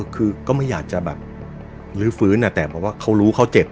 คือก็ไม่อยากจะแบบลื้อฟื้นแต่เพราะว่าเขารู้เขาเจ็บ